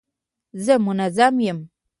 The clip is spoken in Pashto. زه منظم یم.